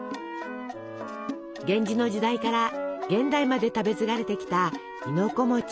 源氏の時代から現代まで食べ継がれてきた亥の子。